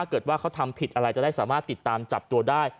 เกิดว่าเขาทำผิดอะไรจะได้สามารถติดตามจับตัวได้